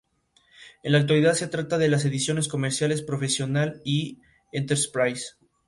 En la actualidad se trata de las ediciones comerciales, Professional o Enterprise.